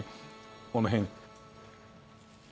この辺。